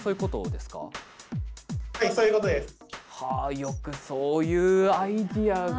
よくそういうアイデアが。